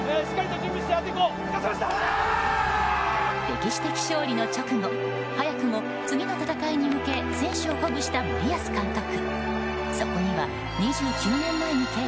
歴史的勝利の直後早くも次の戦いに向け選手を鼓舞した森保監督。